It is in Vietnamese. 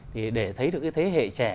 thì để thấy được cái thế hệ trẻ